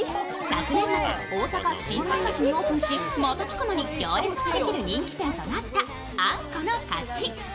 昨年末、大阪・心斎橋にオープンし、瞬く間に行列ができる人気店となったあんこの勝ち。